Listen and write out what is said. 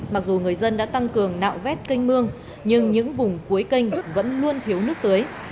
mặc dù người dân đã tăng cường nạo vét canh mương nhưng những vùng cuối canh vẫn luôn thiếu nước tưới